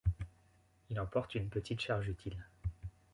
Il emporte une petite charge utile.